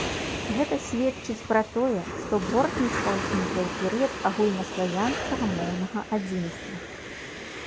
Гэта сведчыць пра тое, што бортніцтва ўзнікла ў перыяд агульнаславянскага моўнага адзінства.